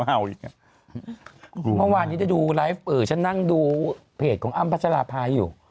เมื่อวานที่จะดูไลฟ์ฉันนั่งดูเพจของอ้ำพระสรภัยอยู่